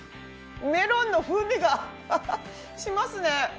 メロンの風味がしますね。